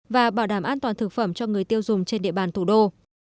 và bảo đảm an toàn thực phẩm cho người tiêu dùng trên địa bàn thủ đô